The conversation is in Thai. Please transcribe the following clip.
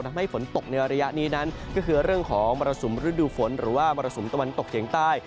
ทำให้ฝนตกในระยะนี้นั้นก็คือเรื่องของมรสุมฤดูฝนหรือว่ามรสุมตะวันตกเฉียงใต้